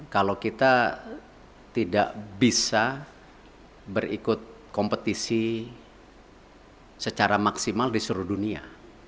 kalau kita tidak bisa berikut kompetisi secara maksimal di seluruh dunia